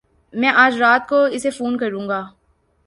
میں اج رات کو اسے فون کروں گا۔